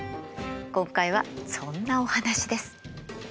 今回はそんなお話です。